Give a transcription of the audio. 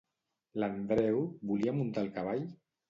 L'Andreu volia muntar el cavall?